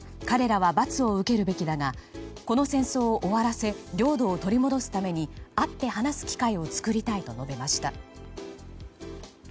彼らは、罰を受けるべきだがこの戦争を終わらせ領土を取り戻すために会って話す機会を作りたいと述べました。